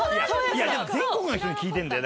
いやでも全国の人に聞いてるんだよ？